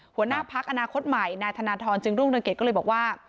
หัวหน้าพักอนาคตใหม่นายธนทรจึงรุ่งเรืองเกตก็เลยบอกว่า